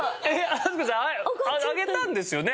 飛鳥さん挙げたんですよね？